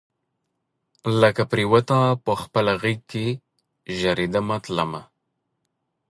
لکه پیروته پخپل غیږ کې ژریدمه تلمه